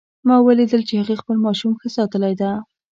ما ولیدل چې هغې خپل ماشوم ښه ساتلی ده